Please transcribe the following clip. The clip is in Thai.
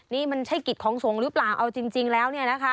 นี่มันใช่กิจของสงฆ์หรือเปล่าเอาจริงแล้วเนี่ยนะคะ